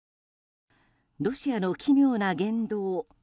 ロシアの奇妙な言動。